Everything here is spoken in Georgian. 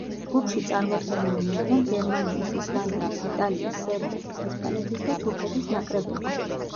ჯგუფში წარმოდგენილნი იყვნენ გერმანიის, ისლანდიის, იტალიის, სერბეთის, ესპანეთის და თურქეთის ნაკრებები.